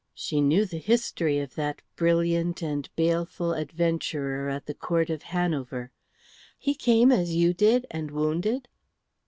She knew the history of that brilliant and baleful adventurer at the Court of Hanover. "He came as you did, and wounded?"